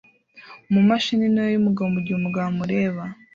mu mashini ntoya yomugabo mugihe umugabo amureba.